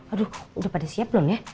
aduh udah pada siap belum ya